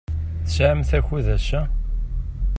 Tesɛamt akud ass-a?